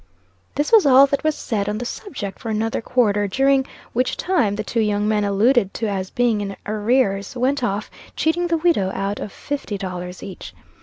This was all that was said on the subject for another quarter, during which time the two young men alluded to as being in arrears, went off, cheating the widow out of fifty dollars each.